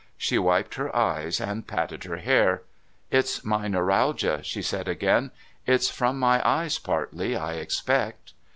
She wiped her eyes and patted her hair. "It's my neuralgia," she said again. "It's from my eyes partly, I expect."